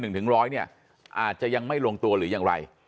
ถึงร้อยเนี่ยอาจจะยังไม่ลงตัวหรือยังไร